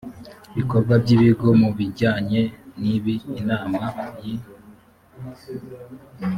bikorwa by ikigo ku bijyanye n ibi inama y